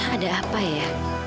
ada apa ya